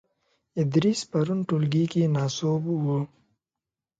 ادریس پرون ټولګې کې ناسوب وو .